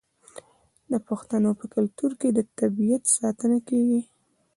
د پښتنو په کلتور کې د طبیعت ساتنه کیږي.